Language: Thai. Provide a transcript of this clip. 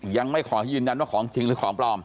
ยังไม่ขอยืนยันว่าของจริงหรือของปลอม